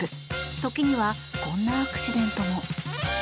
時にはこんなアクシデントも。